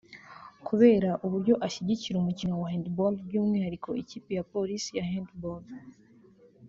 kubera uburyo ashyigikira umukino wa handball by’umwihariko ikipe ya Police ya handball